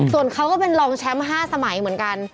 ส่วนเขาก็เป็นรองแชมป์๕สมัยเหมือนกัน